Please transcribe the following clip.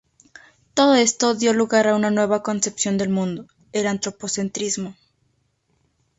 Todo esto dio lugar a una nueva concepción del mundo: el antropocentrismo.